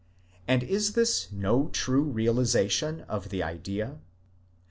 And is this no true realization of the idea?